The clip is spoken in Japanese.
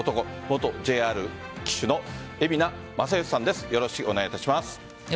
元ＪＲＡ騎手の蛯名正義さんです。